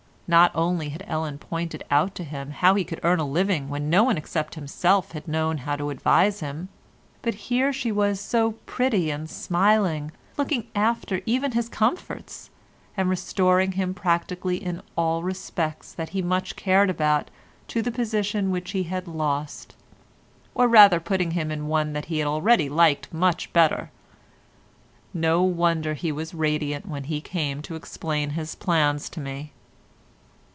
Not only had Ellen pointed out to him how he could earn a living when no one except himself had known how to advise him, but here she was so pretty and smiling, looking after even his comforts, and restoring him practically in all respects that he much cared about to the position which he had lost—or rather putting him in one that he already liked much better. No wonder he was radiant when he came to explain his plans to me.